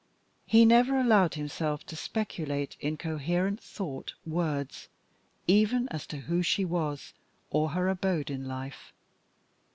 He never allowed himself to speculate in coherent thought words even as to who she was, or her abode in life.